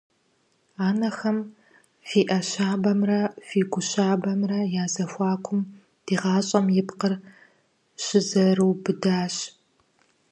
Анэхэм фи Ӏэ щабэмрэ фи гу щабэмрэ я зэхуакум ди гъащӀэм и пкъыр щызэрыубыдащ.